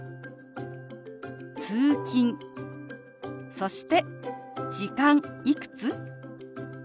そして「時間」「いくつ？」。